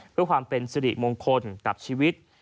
เพื่อความเป็นสิริมงคลกับชีวิต